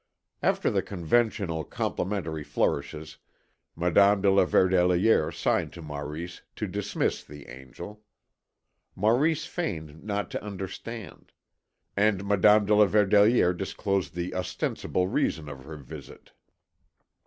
After the conventional complimentary flourishes, Madame de la Verdelière signed to Maurice to dismiss the angel. Maurice feigned not to understand. And Madame de la Verdelière disclosed the ostensible reason of her visit.